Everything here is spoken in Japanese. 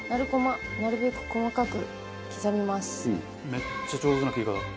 めっちゃ上手な切り方。